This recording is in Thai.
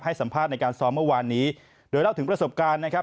สัมภาษณ์ในการซ้อมเมื่อวานนี้โดยเล่าถึงประสบการณ์นะครับ